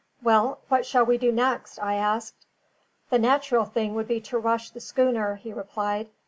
"Well, what shall we do next?" I asked. "The natural thing would be to rush the schooner," he replied.